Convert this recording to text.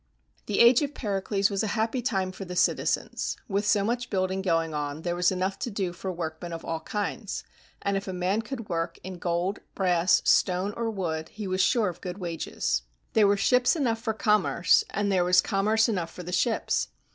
The Age of Pericles was a happy time for the citizens. With so much building going on, there was enough to do for workmen of all kinds; and if a man could work in gold, brass, stone, or wood, he was sure of good wages. There were ships enough for commerce, and there was commerce enough for the ships.